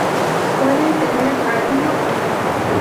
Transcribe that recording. Pueden tener arilo o no.